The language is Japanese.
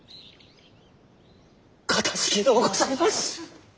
かたじけのうございます！